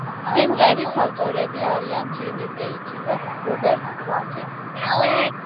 სიმღერის ავტორები არიან ჯიმი პეიჯი და რობერტ პლანტი.